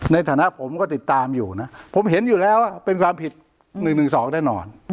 ในฐานะผมก็ติดตามอยู่นะผมเห็นอยู่แล้วว่าเป็นความผิด๑๑๒แน่นอน